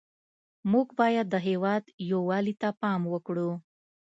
موږ باید د هېواد یووالي ته پام وکړو